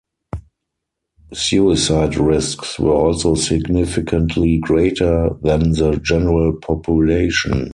Suicide risks were also significantly greater than the general population.